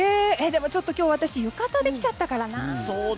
でも今日、私浴衣で来ちゃったからな。